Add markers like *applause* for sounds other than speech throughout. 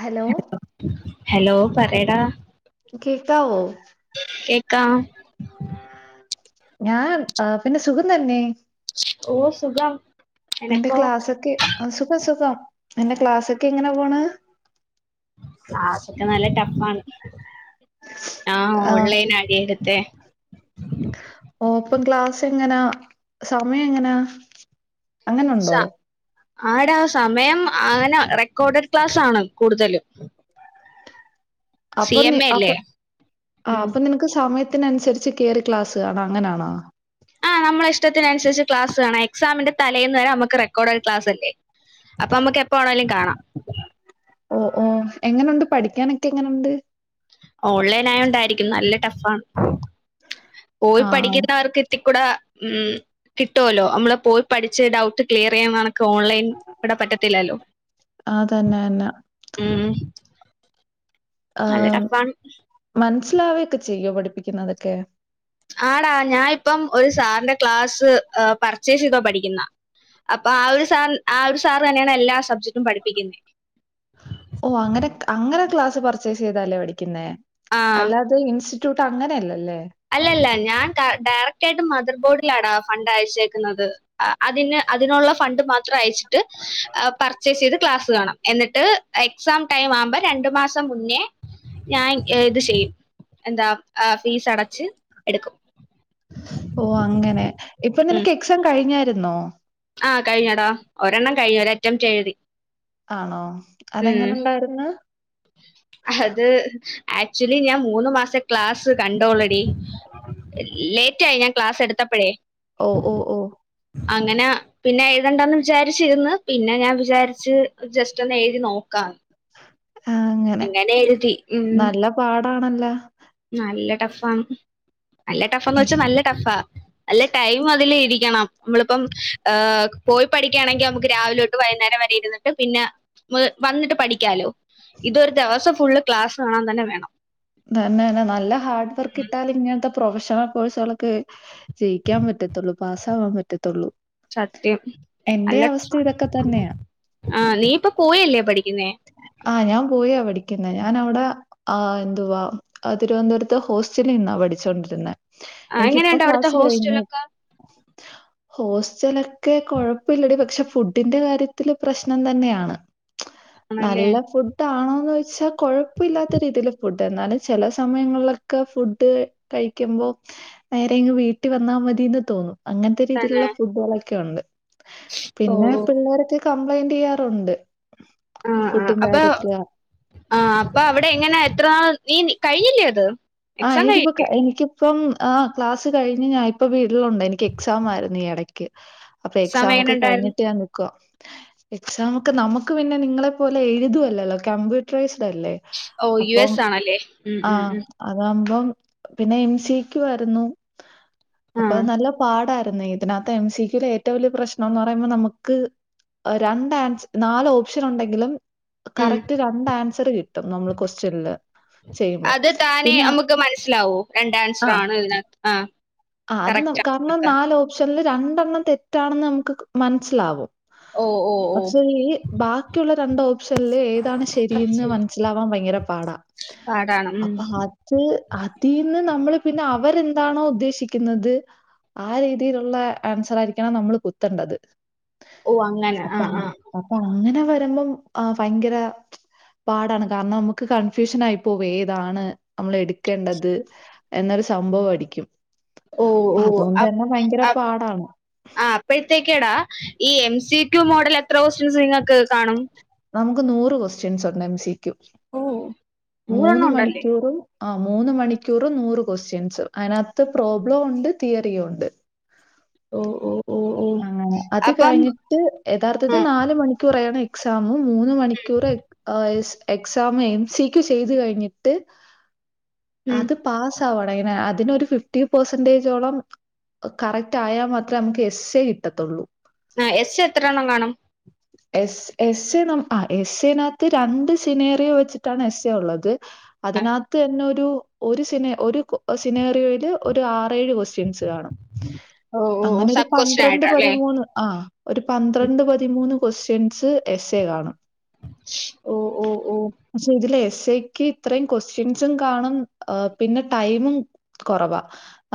Hello hello പറയെ ടാ കേക്കാവോ കേക്കാം. ഞാൻ പിന്നെ സുഖം തന്നെ ഓ സുഖം നിന്റെ എനക്കോ ക്ലാസ്സൊക്കെ. അഫ്സത്തെ സുഖം എന്റെ ക്ലാസ്സൊക്കെ എങ്ങനെ പോണ്. ക്ലാസ് ഒക്കെ നല്ല ട്ട ഫാണ് ആഹ് ആ, ഓൺലൈൻ ആടി എടുത്തെ ഓ അപ്പം ക്ലാസ് എങ്ങനാ സമയം എങ്ങനാ? ഷ അങ്ങനുണ്ടോ ആട സമയം അങ്ങനെ റെക്കോർഡഡ് ക്ലാസ് ആണ് കൂടുതലും സി അപ്പൊ എം എ അപ്പൊ അല്ലേ ആ ഉം അപ്പൊ നിനക്ക് സമയത്ത് ത്തിനനുസരിച്ച് കേറി ക്ലാസ് കാണാ അങ്ങനാണാ ആഹ് നമ്മളെ ഇഷ്ടത്തിനുസരിച് ക്ലാസ് കാണ. എക്സാമിന്റെ തലേന്ന് വരെ നമക്ക് ക്ക് റെക്കോർഡഡ് ക്ലാസലേ അപ്പൊ നമ്മുക്ക് എപ്പോ ണേലും കാണാം ഓ ഓ എങ്ങനൊ ണ്ട് പഠിക്കാനൊക്കെ എങ്ങനുണ്ട് ഓൺലൈൻ ആയോണ്ടായിരിക്കും നല്ല ട്ട ഫാണ് പോയി ആ പഠിക്കുന്നവർക്ക് *unintelligible* ഉ കിട്ടുമല്ലോ നമ്മള് പോയി പഠിച്ച് ഡൗട്ട് ക്ലിയർ ചെയ്യാ ക്ക് ഓൺലൈൻ ഇവിടെ പറ്റത്തില്ലല്ലോ ആ തന്നെ തന്നെ ഉ ഏഹ് ടഫാണ് മനസിലാവേ ക്ക ചെയ്യോ പഠിപ്പിക്കുന്നതൊക്കെ ആടാ ഞാൻ ഇപ്പം ഒരു സാറിന്റെ ക്ലാസ് പർച്ചേസ് ചെയ്തോ പഠിക്കുന്ന അപ്പആ ഒരു സാർ ആ ഒരു സാറ് തന്നെയാണ് എല്ലാ സബ്ജക്ടും പഠിപ്പിക്കുന്നെ ഓ അങ്ങനെ അങ്ങനെ ക്ലാസ് പർച്ചേസ് ചെയ്താ ല്ലേ പഠിക്കുന്നേ ആ അല്ലാതെ ഇൻസ്റ്റി റ്റ്യൂട്ട് അങ്ങനയലല്ലേ അല്ലല്ല ഞാൻ ഡയറക്റ്റ് ആയിട്ട് മദർ ബോർഡിലാണ് ഫണ്ട് അയച്ചേക്കുന്നത് അതിന് അതിനുള്ള ഫണ്ട് മാത്രം അയച്ചിട്ട് പർച്ചേസ് ചെയ്ത് ക്ലാസ് കാണാം. എന്നിട്ട് എക്സാം ടൈം ആവുമ്പോ രണ്ടു മാസം മുന്നേ. ഞാൻ ഇത് ചെയ്യും എന്താ ഫീസ് അടച്ച് എടുക്കും. ഓ അങ്ങനെ ഇപ്പൊ നിനക്ക് എക്സാം കഴിഞ്ഞായിരുന്നോ? ആഹ് കഴിഞ്ഞെടാ ഒരെണ്ണം കഴിഞ്ഞു ഒരറ്റംറ്റ് എഴുതി ആണോ ഉം അതെങ്ങനെ ഉണ്ടായിരുന്ന്. അത് ആക്ച്വലി ഞാൻ മൂന്ന് മാസെ ക്ലാസ് കണ്ടോ ള്ളെ ടീ ലേറ്റായി ഞാൻ ക്ലാസ്സ് എടുത്തപ്പഴേ ഓ ഓ ഓ അങ്ങന പിന്നെ എഴുതണ്ടാന്ന് വിചാരിച്ചിന്ന് പിന്നെ ഞാൻ വിചാരിച്ച് ജസ്റ്റ് ഒന്ന് എഴുതി നോക്കാം. ആഹ് അങ്ങ അങ്ങനെ എഴുതി ഉം പാടാണല്ല നല്ല ടഫാന്ന് നല്ല ടഫാന്ന് ഏഹ്, വച്ചാ നല്ല ടഫാ നല്ല ടൈം അതിൽ ഇരിക്കണം നമ്മളിപ്പം ആ പോയ് പഠിക്കുകയാണെങ്കിൽ നമുക്ക് രാവിലോട്ട് വൈകുനേരം വരെ ഇരുന്നിട്ട് പിന്നെ വ് വന്നിട്ട് പഠിക്കാലോ ഇതൊരു ദിവസം ഫുള്ള് ക്ലാസ് കാണാൻ തന്നെ വേണം തന്നെ തന്നെ നല്ല ഹാർഡ് വർക്ക് ഇട്ടാൽ ഇങ്ങനത്തെ പ്രൊഫഷണൽ കോഴ്സുകൾക്ക് ജയിക്കാൻ പറ്റത്തുള്ളൂ പാസ്സ് ആവാൻ പറ്റത്തൊള്ളൂ സത്യം അല്ല ഇതൊക്കെ തന്നെയാ. ആഹ് നീ ഇപ്പ പോയല്ലേ പഠിക്കുന്നേ ആഹ് ഞാൻ പോയിയ പഠിക്കുന്ന ഞാൻ അവിടെ ആഹ് ന്തുവാ തിരുവനന്തപുരത്ത് ഹോസ്റ്റലിൽ നിന്നാ പഠിച്ചുകൊണ്ടിരുന്നെ ആഹ് എങ്ങനെയുണ്ട് അവിടുത്തെ എനിക്കിപ്പക്ലാസ് കഴിഞ്ഞ് ഹോസ്റ്റലൊക്കെ ഹോസ്റ്റലൊക്കെ കൊഴപ്പില്ലടി പക്ഷെ ഫുഡിന്റെ കാര്യത്തില് പ്രശ്നം തന്നെയാണ് ആണല്ലേ നല്ല ഫുഡ് ആണോന്ന് ചോദിച്ചാ കൊഴപ്പില്ലാത്ത രീതില് ഫുഡ് എന്നാലും ചില സമയങ്ങളിലൊക്കെ ഫുഡ് കഴിക്കുമ്പോ നേരെ ഇങ്ങ് വീട്ടി വന്നാ മതിന്ന് തോന്നും അങ്ങനത്തെ തന്നെ രീതിയിലുള്ള ഫുഡ്ബോളെക്കെ ഉണ്ട് പിന്നെ ഓഹ് പിളളരൊക്കെ കംപ്ലൈയിൻ്റെയ്യാറുണ്ട് ആഹ് ആഹ് അപ്പൊ ആഹ് അപ്പൊ അവിടെ എങ്ങനെ എത്രനാൾ നീ കഴിഞ്ഞില്ലേ അത് ആഹ് എക്സാം എനിക്കിപ്പ കഴിഞ്ഞില്ലേ കഴിഞ്ഞ് എനിക്ക് ഇപ്പം ആ ക്ലാസ് കഴിഞ്ഞ് ഞാൻ ഇപ്പ വീട്ടിലൊണ്ട് എനിക്ക് എക്സാം ആയിരുന്നു ഈ ഇടക്ക് അപ്പൊ എക്സാം എങ്ങനെ ഒക്കെ ഉണ്ടായിരുന്നു കഴിഞ്ഞിട്ട് ഞാൻ നിക്കുവാ എക്സാം ഒക്കെ നമുക്ക് പിന്നെ നിങ്ങളെ പോലെ എഴുതുവല്ലല്ലോ കമ്പ്യൂട്ടറൈസ്ഡ് അല്ലേ ഓ യു അപ്പം എസ് ആണല്ലേ ഉം ആ ഉം ഉം അതാകുമ്പം പിന്നെ എംസിക്യൂ വരുന്നു അപ്പൊ ആഹ് നല്ല പാടായിരുന്നെ ഇതിനകത്ത് എംസിക്യൂ ഏറ്റവും വലിയ പ്രശ്നം എന്ന് പറയുമ്പോ നമുക്ക് രണ്ട് ആൻസ് നാല് ഓപ്ഷൻ ഒണ്ടെങ്കിലും ഉം കറക്റ്റ് രണ്ട് ആൻസർ കിട്ടും നമ്മള് ക്വസ്റ്റ്യനില് ചെയ്യുമ്പോ നെ പിന്നെ നമുക്ക് മനസ്സിലാവോ രണ്ട് ആൻസർ ആഹ് ആണ് ഇതിനക ആഹ് ആഹ് അത് കറക്റ്റ് നമുക്ക് ആണ് കാരണം നാല് ഓപ്ഷനിൽ രണ്ടെണ്ണം തെറ്റാണെന്ന് നമുക്ക് മനസ്സിലാവും ഓ ഓ പക്ഷേ ഈ ബാക്കിയുള്ള രണ്ട് ഓപ്ഷനില് ഏതാണ് ശരിയെന്ന് കുറച്ച് മനസ്സിലാവാൻ ഭയങ്കര പാടാ *unintelligible* പാടാണ് ഉം അപ്പൊ അത് അതിന്ന് നമ്മള് പിന്നെ അവരെന്താണോ ഉദ്ദേശി ക്കുന്നത് ആ രീതിയിലുള്ള ആൻസർ ആയിരിക്കണം നമ്മള് കുത്തണ്ടത് ഓഹ് അങ്ങനെ അപ്പ ആഹ് ആഹ് അപ്പാ അങ്ങനെ വരുമ്പം ആ ഭയങ്കര പാടാണ് കാരണം നമുക്ക് കൺഫ്യൂഷൻ ആയി പോകുവേ ഏതാണ് നമ്മൾ എടുക്കേണ്ടത് എന്നൊരു സംഭവം അടിക്കും ഓഹ് അപ്പ ഓഹ് അതുകൊണ്ട് അപ് തന്നെ ഭയങ്കര അപ് പാടാണ് ആഹ് അപ്പോഴത്തേക്കേടാ ഈ എം സി ക്യു മോഡൽ എത്ര ക്വസ്റ്റ്യൻസ് നിങ്ങൾക്ക് കാണും നമുക്ക് നൂറ് ക്വസ്റ്റ്യൻസ് ഒണ്ട് എംസിക്യു ഓഹ് മൂന്ന് നൂറെണ്ണം ഉണ്ടല്ലേ മണിക്കൂറും ആ മൂന്ന് മണിക്കൂറ് നൂറ് ക്വസ്റ്റ്യൻസ് അതിനകത്ത് പ്രോബ്ലം ഉണ്ട് തിയറിയും ഉണ്ട് ഓ ഓ ഓ ആഹ് അത് അപ്പം കഴിഞ്ഞിട്ട് ആ യഥാർത്ഥത്തിൽ നാല് മണിക്കൂറാണ് എ എക്സാമ് മൂന്ന് മണിക്കൂർ എക് ഏസ് എക്സാമ് എംസിക്യൂ ചെയ്ത് കഴിഞ്ഞിട്ട് ഉം അത് പാസ് ആവണം അതിന് അതിനൊരു ഫിഫ്റ്റി പെർസെന്റേജോളം കറക്റ്റ് ആയാൽ മാത്രമേ നമുക്ക് എസ് എ കിട്ടത്തുള്ളൂ ആ എസ്എ എത്രണ്ണം കാണും എസ് എസ് എ ന ആഹ് എസ് എനകത്ത് രണ്ട് സിനേറിയോ വെച്ചിട്ടാണ് എസ് എ ഉള്ളത് ആ അതിനകത്ത് തന്നെ ഒരു ഒരു സിനേ ഒരു സിനേറിയോയില് ഒരു ആറേഴ് ക്വസ് റ്റിയൻസ് കാണും ഓ ഓ അങ്ങനെ ഒരു സബ് ക്വസ്റ്റ്യൻ പന്ത്രണ്ട് ആയിട്ടാല്ലേ പതിമൂന്ന് ആഹ് ഒരു പന്ത്രണ്ട് പതിമൂന്ന് ക്വസ്റ്റ്യൻസ് എസ് എ കാണും ഓ ഓ ഓ പക്ഷെ ഇതില് എസ് എ ക്ക് ഇത്രയും ക്വസ്റ്റ്യൻസും കാണും പിന്നെ ടൈമും കുറവാ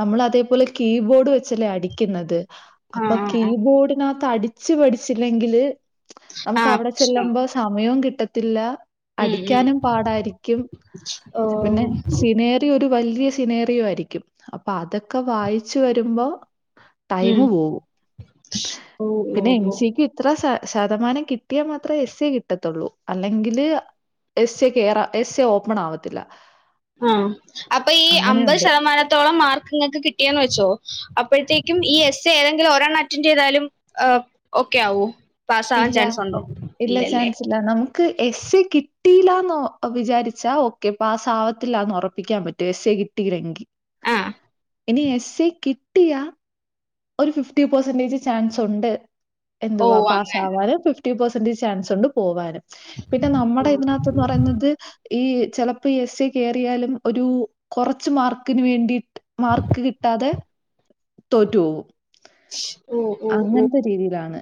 നമ്മൾ അതേപോലെ കീബോർഡ് വെച്ചല്ലേ അടിക്കുന്നത് ആ അപ്പൊ ആ ആ കീബോർഡിനകത്ത് അടിച്ച് പടിച്ചില്ലെങ്കില് ആ നമുക്ക് അവിടെ പ്രശ്നം ചെല്ലുമ്പോ സമയോം കിട്ടത്തില്ല ഉം ഉം അടിക്കാനും പാടായിരിക്കും ഓ പിന്നെ സിനേറി യം ഒരു വല്യ സിനേറിയേം ആയിരിക്കും അപ്പൊ അതൊക്കെ വായിച്ച് വരുമ്പോ ഉം ടൈമ് പോകും ഓ ഓ പിന്നെ എം ഓ സിക്ക് ഇത്ര ശ ശതമാനം കിട്ടിയാൽ മാത്രേ എസ് എ കിട്ടത്തുള്ളൂ അല്ലെങ്കില് എസ് എ കേറ എസ് എ ഓപ്പൺ ആവത്തില്ല ആഹ് അപ്പൊ ഈ അമ്പത് അങ്ങനെയുണ്ട്. ശതമാനത്തോളം മാർക്ക് ഇങ്ങൾക്ക് കി ട്ടിയെന്ന് വെച്ചോ അപ്പോഴ്ത്തേക്കും ഈ എസ് എ ഏതെങ്കിലും ഒരണ്ണം അറ്റൻഡ് ചെയ്താലും ഏഹ് ഓക്കെ ആവും പാസ് ആവാൻ ഇല്ല. ചാൻസ് ഉണ്ടോ ഇല്ല ഇല്ലല്ലേ ചാൻസ് നമുക്ക് എസ് എ കിട്ടിയില്ലന്ന് വിചാരിച്ചാ ഓക്കെ പാസ് ആവത്തില്ല എന്ന് ഉറപ്പിക്കാൻ പറ്റും എസ് എ കിട്ടിയിലെങ്കി ആ ഇനി എസ് എ കി ട്ടിയാ ഒരു ഫിഫ്റ്റി പേഴ്‌സന്റെജ് ചാൻസ് ഉണ്ട് ഓ എന്തുവാ പാസ്സ് അങ്ങനെ ഫിഫ്റ്റി പേഴ്‌സന്റെജ് ചാൻസ് ഉണ്ട് പോവാനും. പിന്നെ നമ്മുടെ ഇതിനകത്ത്ന്ന് പറയുന്നത് ഈ ചിലപ്പോ ഈ എസ് എ കയറിയാലും ഒരു കൊറച്ച് മാർക്കിന് വേണ്ടിട്ട് മാർക്ക് കിട്ടാതെ തോറ്റു പോവും ഓ ഓ ഓ അങ്ങനത്തെ രീതിയിലാണ്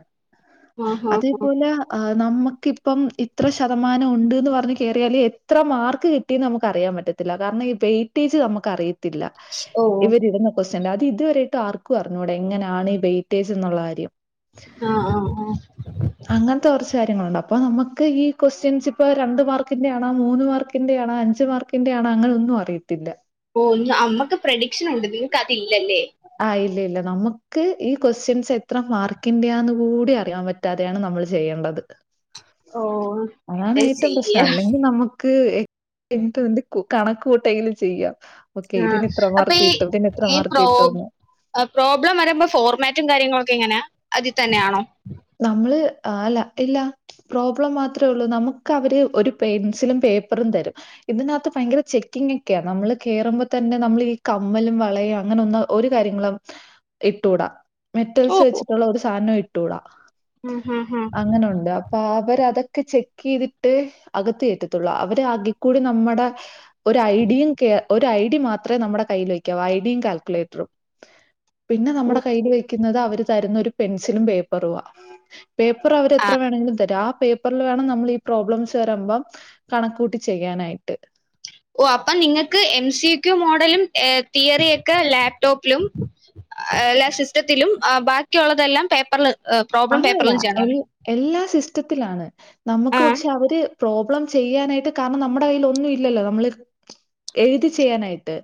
ആഹ് ആഹ് ആഹ് അതേപോലെ ആഹ് നമുക്കിപ്പം ഇത്ര ശതമാനം ഉണ്ട്ന്ന് പറഞ്ഞ് കേയറിയാല് എത്ര മാർക്ക് കി ന്ന് നമുക്ക് അറിയാൻ പറ്റത്തില്ല കാരണം ഈ വെയ്റ്റെജ് നമുക്ക് അറിയത്തില്ല ഓ ഓ ഇവരിടുന്ന ക്യസ്റ്റിയൻ അത് ഇതുവരയിട്ട് ആർക്കു അറിഞ്ഞൂട എങ്ങനെയാണ് ഈ വെയ്റ്റേ്ജ് എന്നുള്ള കാര്യം ആഹ് ആഹ് ആഹ് അങ്ങനത്തെ കുറച്ച് കാര്യങ്ങളുണ്ട് അപ്പൊ നമുക്ക് ഈ ക്വസ്റ്റ്യൻസ് ഇപ്പ രണ്ട് മാർക്കിന്റെ ആണാ മൂന്ന് മാർക്കി ന്റെയാണോ അഞ്ച് മാർക്കിന്റെ ആണോ അങ്ങനെ ഒന്നും അറിയത്തില്ല ഓഹ് നമ്മക്ക് പ്രേഡിക്ഷൻ ഉണ്ട് നിങ്ങൾക്ക് അതില്ലല്ലേ ആഹ് ഇല്ല ഇല്ല നമുക്ക് ഈ ക്യസ്റ്റിയൻസ് എത്ര മാർക്കിന്റെയാന്ന് കൂടി അറിയാൻ പ റ്റാതെയാണ് നമ്മൾ ചെയ്യേണ്ടത് ഓ അതാണ് എന്താ ഏറ്റവും പ്രശ്നം ചെയ്യാ അല്ലെങ്കിൽ നമുക്ക് *unintelligible* കണക്ക് കൂട്ടെങ്കിലും ചെയ്യാം ഓക്കെ ആഹ് ഇതിന് ഇത്രമാർക്ക് കിട്ടും ഇതിന് എത്രമാർക്ക് കി ആഹ് പ്രോബ്ലം വരമ്പം ഫോർമാറ്റും കാര്യങ്ങളൊക്കെ എങ്ങനെയാ അതിൽ തന്നെയാണോ നമ്മള് അല്ല ഇല്ല പ്രോബ്ലം മാത്രേ ഉള്ളൂ നമുക്ക് അവര് ഒരു പെൻസിലും പേപ്പറും തരും ഇതിനകത്ത് ഭയങ്കര ചെക്കിങ്ങേക്കെയാ നമ്മള് കേറുമ്പോ തന്നെ നമ്മൾ ഈ കമ്മലും വളയും അങ്ങനെ ഒന്നും ഒരു കാര്യങ്ങളും ഇട്ടൂടാ മെറ്റൽസ് വെച്ചിട്ടുള്ള ഒരു സാധനവും ഇട്ടൂടാ ഹും ഹും ഹും അങ്ങനുണ്ട് അപ്പൊ അവര് അതൊക്കെ ചെക്ക് ചെയ്തിട്ട് അകത്ത് കയറ്റത്തുള്ളൂ അവരെ ആകിക്കൂടി നമ്മടെ ഒരു ഐഡിയും ഒരു ഐ ഡി മാത്രമേ നമ്മുടെ കൈൽ വെയ്ക്കാവു ഐഡിയും കാൽക്കുലേറ്ററും പിന്നെ ഉം നമ്മുടെ കയ്യിൽ വെക്കുന്നത് അവര് തരുന്ന ഒരു പെൻസിലും പേപ്പറുവാ പേപ്പർ അവർ എത്ര വേണമെങ്കിലും തരും ആ പേപ്പറിൽ വേണം നമ്മൾ ഈ പ്രോബ്ലംസ് വരമ്പം കണക്കൂട്ടി ചെയ്യാനായിട്ട് ഓഹ് അപ്പൊ നിങ്ങൾക്ക് എം സി ക്യു മോഡലും ഏഹ് തിയറിയൊക്കെ ലാപ്ടോപ്പിലും അല്ലാ സിസ്റ്റത്തിലും ബാക്കിയുള്ളതെല്ലാം പേപ്പറിൽ പ്രോബ്ലം അങ്ങനല്ല പേപ്പറിലും ചെയ്യണം അല്ലേ എല്ലാ സിസ്റ്റത്തിലാണ് നമ്മക്ക് ആഹ് പക്ഷെ അവര് പ്രോബ്ലം ചെയ്യാനായിട്ട് കാരണം നമ്മുടെ കൈയിൽ ഒന്നും ഇല്ലല്ലോ നമ്മള് എഴുതി ചെയ്യാനായിട്ട്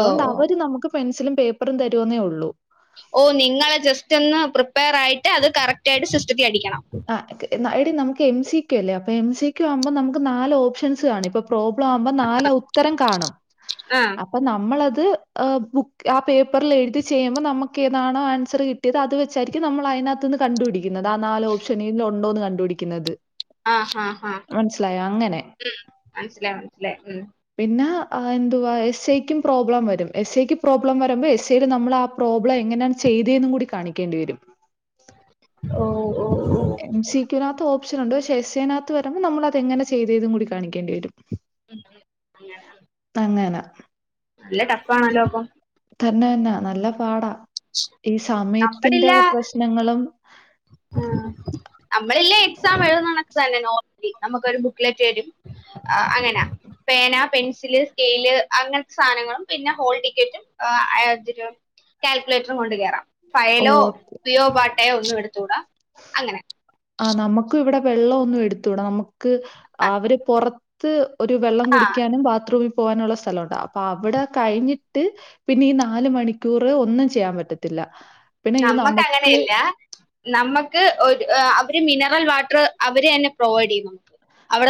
ഓ ഓ അവര് നമുക്ക് പെൻസിലും പേപ്പറും തരുന്നേ ഉള്ളൂ ഓ നിങ്ങളെ ജസ്റ്റ് ഒന്ന് പ്രിപ്പയർ ആയിട്ട് അത് കറക്റ്റ് ആയിട്ട് സിസ്റ്റത്തിൽ അടിക്കണം എടി നമുക്ക് എം സി കൂ അല്ലേ അപ്പൊ എം സി കൂ ആവുമ്പോൾ നമുക്ക് നാല് ഓപ്ഷൻസ് കാണും ഇപ്പോ പ്രോബ്ലം ആവുമ്പോ നാല ഉത്തരം കാണും ആഹ് അപ്പൊ നമ്മളത് എ ബുക്ക് ആ പേപ്പറിൽ എഴുതി ചെയ്യുമ്പോൾ നമുക്ക് താണോ ആൻസർ കി ട്ടിയത് അത് വെച്ചായിരിക്കും നമ്മൾ അതിനകത്ത് നിന്ന് കണ്ടുപിടുന്നത് ആ നാല് ഓപ്ഷനി ഉണ്ടോന്ന് കണ്ടുപിടിക്കുന്നത് ആ ഹ ഹ മനസ്സിലായോ അങ്ങനെ ഉം. മനസിലായി മനസ്സിലായി ഉം പിന്നെ എന്തുവാ എസ് ഐക്കും പ്രോബ്ലം വരും എസ് ഐക്ക് പ്രോബ്ലം വരുമ്പോ എസ് ഐയില് നമ്മൾ ആ പ്രോബ്ലം എങ്ങനെയാണ് ചെയ്തെന്നും കൂടി കാണിക്കേണ്ടി വരും ഓഹ് ഓഹ് ഓഹ് എം സി കു വിനകത്ത് ഓപ്ഷൻ ഉണ്ട് പക്ഷെ എസ് അതിനകത്ത് വരുമ്പോ നമ്മൾ അത് എങ്ങനെ ചെയ്തും കൂടി കാണിക്കേണ്ടി വരും *inaudible* അങ്ങന നല്ല ടഫാണല്ലോ അപ്പം തന്നെ തന്നാ നല്ല പാടാ ഈ സമയത്തിന്റെ പ്രശ്നങ്ങളും ആഹ് നമ്മളില്ലേ എക്സാം എഴുന്നണക്ക് തന്നെ നോ നമുക്കൊരു ബുക്ക്ലെറ്റെരും അ അങ്ങനെ പേന പെൻസില് സ്കെയില് അങ്ങനത്തെ സാധനങ്ങളും പിന്നെ ഹോൾ ടിക്കറ്റും ആ *unintelligible* കാൽക്കുലേറ്ററും കൊണ്ട് കേയറാം ഓ ഫയലോ സയോ പാട്ടയോ ഒന്നും എടുത്തുകൂടാം അങ്ങനെ ആഹ് നമുക്ക് ഇവിടെ വെള്ളം ഒന്നും എടുത്തൂട നമുക്ക് അവര് പുറ ത്ത് ഒരു വെള്ളം ആ കുടിക്കാനും ബാത്റൂമിൽ പോകാനുള്ള സ്ഥലമുണ്ട് അപ്പൊ അവിടെ കഴിഞ്ഞിട്ട് പിന്നെ ഈ നാല് മണിക്കൂറ് ഒന്നും ചെയ്യാൻ പറ്റത്തില്ല പിന്നെ ഇത് നമ്മക്ക് നമുക്ക് അങ്ങനെയല്ല നമ്മക്ക് ഒര് അവര് മിനറൽ വാട്ട്റ് അവര് തന്നെ പ്രൊവൈഡെയ്യും നമ്ക്ക്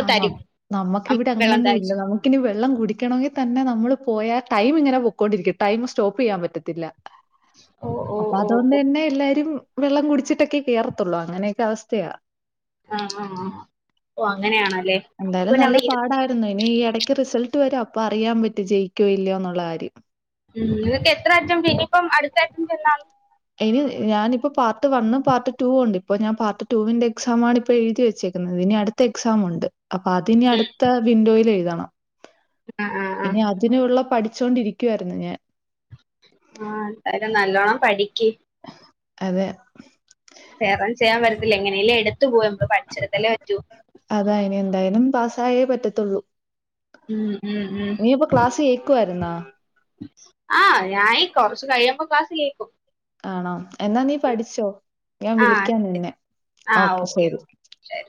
ആന്നോ നമ്മക്ക് ഇവിടെ വെള്ളം അങ്ങനൊന്നും ഇല്ല തഴച്ച് നമ്മ കിന് വെള്ളം കുടിക്കണാെങ്കി തന്നെ നമ്മള് പോയാ ആ ടൈമ്ങ്ങനെ പൊക്കൊണ്ടിരിക്കും ടൈമ് സ്റ്റോപ്പെയ്യാൻ പറ്റത്തില്ലാ ഓ ഓ അപ്പ ആ ഓ അതുകൊണ്ട് ഓ തന്നെ എല്ലാരും വെള്ളം കുടിച്ചിട്ടൊക്കെ കേറത്തുള്ളൂ അങ്ങനെയൊക്കെ അവസ്ഥയ ആഹ് ആഹ് ഓ അങ്ങനെയാണല്ലേ നമുക്ക് എന്തായാലും പിന്നെ നല്ല അവിടെ ഇരു പാടായിരുന്നു ഇനി ഈ ഇടയ്ക്ക് റിസൾട്ട് വരും അപ്പൊ അറിയാൻ പറ്റി ജയിക്കു ഇല്ലയോന്നുള്ള കാര്യം ഉം ഇതൊക്കെ എത്ര അറ്റംറ്റ് ഇനിയിപ്പം അടുത്ത അറ്റംറ്റ് എന്ന ഇനി ഞാനിപ്പോ പാർട്ട് വണ് പാർട്ട ടൂ ഉണ്ട് ഇപ്പോ ഞാൻ പാർട്ട് ടൂവിന്റെ എക്സാമാണ് ഇപ്പൾ എഴുതി വെച്ചേക്കുന്നത് ഇനി അടുത് ത്ത എക്സാം ഉണ്ട് അപ്പൊ അത്നി അടുത്ത വിൻഡോൽ എഴുതണം ആ ആ ആ ഇനി ഇതിനുള്ള പഠിച്ചൊണ്ടിരിക്കുവായിരുന്നു ഞാൻ ആഹ് എന്തായാലും നല്ലോണ്ണം പഠിക്ക് അതെ വേറ ചെയ്യാൻ പറ്റത്തില്ല എങ്ങനെ ഇല്ല എടുത്തു പോയ്പ പഠിച്ചിടത്തല്ലേ പറ്റു അതായിനി എന്തായാലും പാസ്സായേ പറ്റത്തുള്ളൂ ഉം ഉം ഉം ഇനിയിപ്പോ ക്ലാസ് കേക്കുവായിരുന്നാ ആഹ് ഞായി കുറച് കഴിയുമ്പോ ക്ലാസ് കേൾക്കും ആണോ എന്നാ നീ പഠിച്ചോ ഞാൻ ആ വിളിക്കാൻ നിന്നെ ഓക്കെ ശെരി ശരി